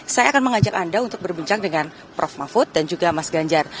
saya akan mengajak anda untuk berbincang dengan prof mahfud dan juga mas ganjar